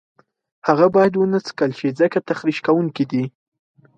هغه باید ونه څکل شي ځکه تخریش کوونکي دي.